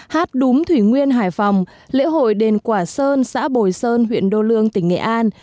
hát đúng thủy nguyên hải phòng lễ hội đền quả sơn xã bồi sơn huyện đô lương tỉnh nghệ an